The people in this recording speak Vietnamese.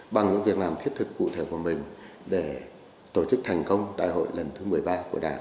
bằng những việc làm thiết thực cụ thể của mình để tổ chức thành công đại hội lần thứ một mươi ba của đảng